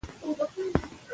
تخنیکران روزل کېږي.